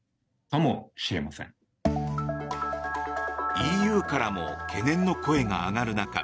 ＥＵからも懸念の声が上がる中